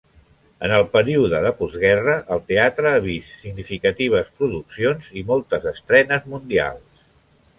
En el període de postguerra, el teatre ha vist significatives produccions i moltes estrenes mundials.